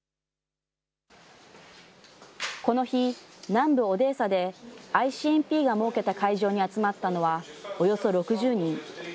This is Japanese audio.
この日、南部オデーサで、ＩＣＭＰが設けた会場に集まったのは、およそ６０人。